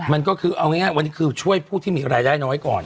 มันก็คือเอาง่ายวันนี้คือช่วยผู้ที่มีรายได้น้อยก่อน